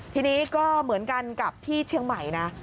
ทีนี้ก็เหมือนกันกับที่เชียงใหม่นะ